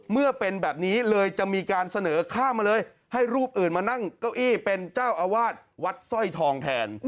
เมื่อเป็นแบบนี้เลยจะมีการเสนอข้ามมาเลยให้รูปอื่นมานั่งเก้าอี้เป็นเจ้าอาวาสวัดสร้อยทองแทน